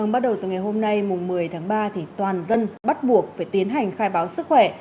bắt đầu từ ngày hôm nay một mươi tháng ba toàn dân bắt buộc phải tiến hành khai báo sức khỏe